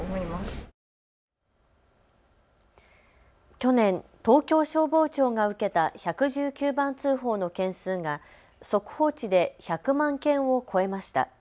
去年、東京消防庁が受けた１１９番通報の件数が速報値で１００万件を超えました。